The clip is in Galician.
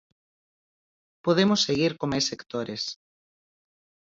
Podemos seguir con máis sectores.